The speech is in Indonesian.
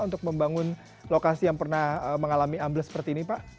untuk membangun lokasi yang pernah mengalami ambles seperti ini pak